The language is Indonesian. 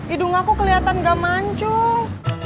idung aku kelihatan gak mancung